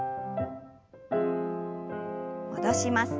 戻します。